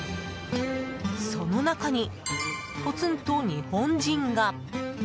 その中に、ポツンと日本人が。